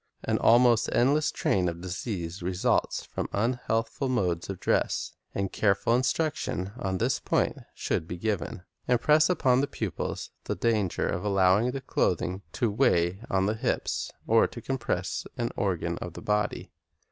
An almost endless train of disease results from unhealth ful modes of dress, and careful instruction on this point should be given. Impress upon the pupils the danger of allowing the clothing to weigh on the hips or to compress any organ of the body.